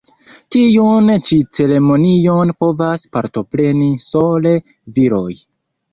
Tiun ĉi ceremonion povas partopreni sole viroj.